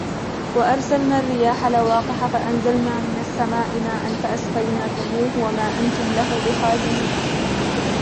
وَأَرْسَلْنَا الرِّيَاحَ لَوَاقِحَ فَأَنْزَلْنَا مِنَ السَّمَاءِ مَاءً فَأَسْقَيْنَاكُمُوهُ وَمَا أَنْتُمْ لَهُ بِخَازِنِينَ